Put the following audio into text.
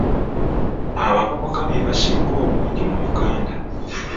Abavubuka be basinga obungi mu Uganda.